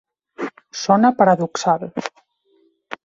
Sona paradoxal.